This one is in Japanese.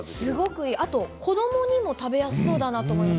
子どもにも食べやすそうだったと思います。